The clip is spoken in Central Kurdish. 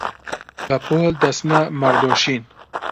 بەپۆل دەچنە مەڕدۆشین